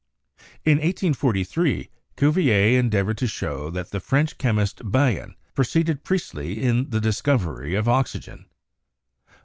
In 1843, Cuvier en deavored to show that the French chemist Bayen preceded Priestley in the discovery of oxygen.